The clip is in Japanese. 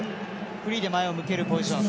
フリーで前を向けるポジション。